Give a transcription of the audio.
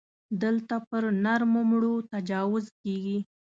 دلته پر نرو مړو تجاوز کېږي.